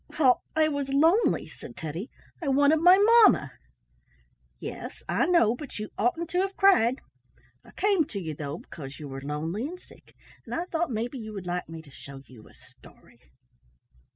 "Well, I was lonely," said Teddy. "I wanted my mamma." "Yes, I know, but you oughtn't to have cried. I came to you, though, because you were lonely and sick, and I thought maybe you would like me to show you a story."